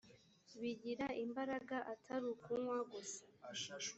bigire imbaraga atari ukunywa gusa